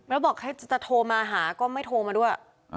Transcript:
แล้วบอกให้จะโทรมาหาก็ไม่โทรมาด้วย